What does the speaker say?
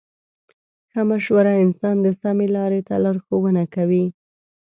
ښه مشوره انسان د سمې لارې ته لارښوونه کوي.